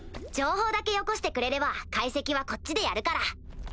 情報だけよこしてくれれば解析はこっちでやるから。